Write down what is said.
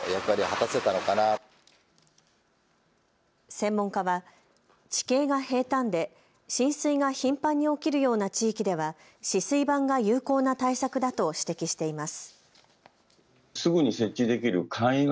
専門家は、地形が平たんで浸水が頻繁に起きるような地域では止水板が有効な対策だと指摘しています。